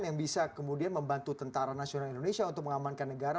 yang bisa kemudian membantu tentara nasional indonesia untuk mengamankan negara